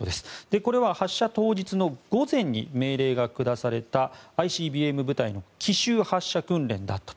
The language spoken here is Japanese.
これは発射当日の午前に命令が下されたＩＣＢＭ部隊の奇襲発射訓練だったと。